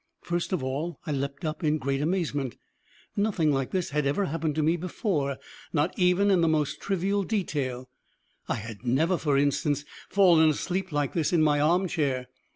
First of all I leapt up in great amazement: nothing like this had ever happened to me before, not even in the most trivial detail; I had never, for instance, fallen asleep like this in my arm chair.